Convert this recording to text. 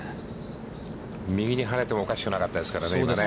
右にはねても、おかしくなかったですからね。